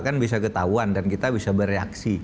kan bisa ketahuan dan kita bisa bereaksi